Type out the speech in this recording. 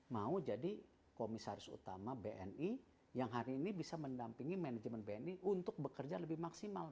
mau jadi komisaris utama bni yang hari ini bisa mendampingi manajemen bni untuk bekerja lebih maksimal